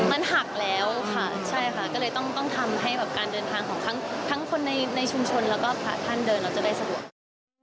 มันหักแล้วค่ะใช่ค่ะก็เลยต้องทำให้แบบการเดินทางของทั้งคนในชุมชนแล้วก็พระท่านเดินเราจะได้สะดวก